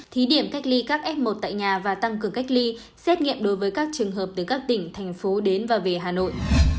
thí điểm cách ly các f một tại nhà và tăng cường cách ly xét nghiệm đối với các trường hợp từ các tỉnh thành phố đến và về hà nội